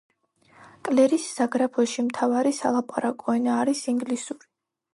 კლერის საგრაფოში მთავარი სალაპარაკო ენა არის ინგლისური.